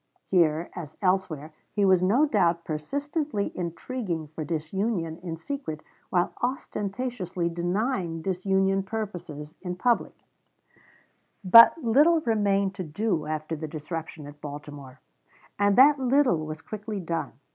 Here, as elsewhere, he was no doubt persistently intriguing for disunion in secret while ostentatiously denying disunion purposes in public. Halstead, "Conventions of 1860." But little remained to do after the disruption at Baltimore, and that little was quickly done.